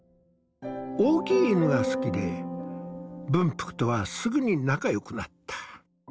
大きい犬が好きで文福とはすぐに仲よくなった。